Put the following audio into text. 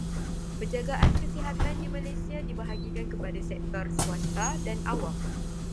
Penjagaan kesihatan di Malaysia dibahagikan kepada sektor swasta dan awam.